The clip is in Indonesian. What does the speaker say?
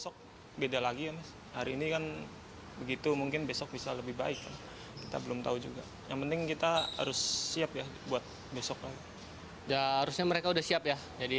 kemenangan indonesia akhirnya ditentukan di partai keempat dan keempat